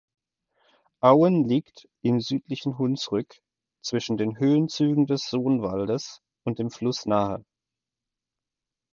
Auen liegt im südlichen Hunsrück zwischen den Höhenzügen des Soonwaldes und dem Fluss Nahe.